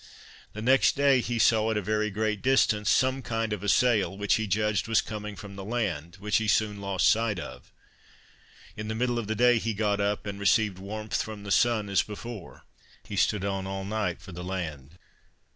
The next day he saw, at a very great distance, some kind of a sail, which he judged was coming from the land, which he soon lost sight of. In the middle of the day he got up, and received warmth from the sun as before. He stood on all night for the land.